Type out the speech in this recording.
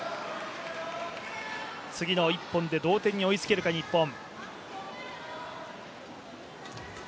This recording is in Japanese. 次の１本で同点に追いつけるか日本。